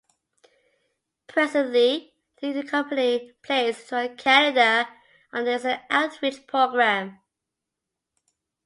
Presently, the company plays throughout Canada under its Outreach program.